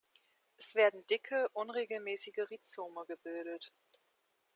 Es werden dicke, unregelmäßige Rhizome gebildet.